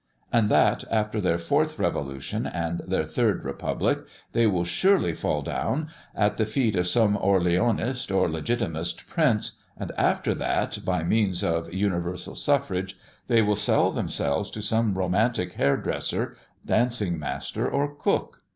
"And that, after their fourth revolution, and their third republic, they will surely fall down at the feet of some Orleanist or Legitimist prince; and after that, by means of universal suffrage, they will sell themselves to some romantic hairdresser, dancing master, or cook.